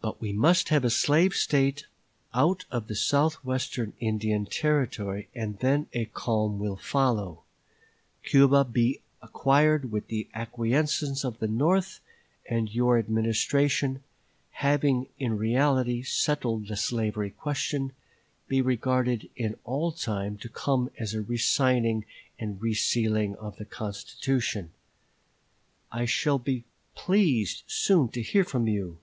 But we must have a slave State out of the south western Indian Territory, and then a calm will follow; Cuba be acquired with the acquiescence of the North; and your Administration, having in reality settled the slavery question, be regarded in all time to come as a re signing and re sealing of the constitution.... I shall be pleased soon to hear from you.